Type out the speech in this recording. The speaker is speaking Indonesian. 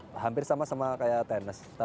tapi ada beberapa manfaatnya